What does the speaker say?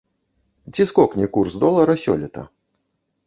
Ці скокне курс долара сёлета?